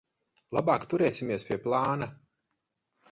Labāk turēsimies pie plāna.